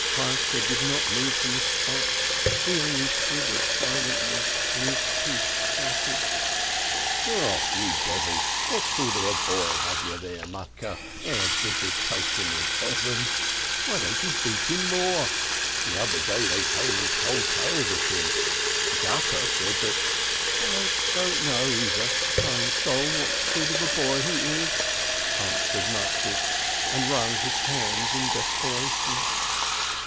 Feivke did not move from the spot, he only shivered silently, and his teeth chattered. "Ach, you devil ! What sort of a boy have you there, Matke? A visitation of Heaven! Why don't you beat him more? The other day they came and told tales of him — Agapa said that —" "I don't know, either, kind soul, what sort of a boy he is," answered Mattes, and wrung his hands in des peration.